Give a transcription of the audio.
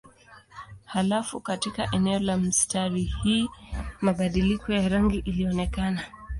Halafu katika eneo la mistari hii mabadiliko ya rangi ilionekana.